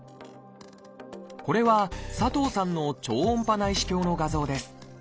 これは佐藤さんの超音波内視鏡の画像です。